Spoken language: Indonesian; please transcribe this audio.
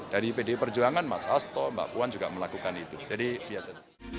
dari pdi perjuangan mas hasto mbak puan juga melakukan itu jadi biasa